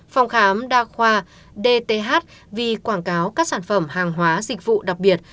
phòng khám đa khoa dth vì quảng cáo các sản phẩm hàng hóa dịch vụ đặc biệt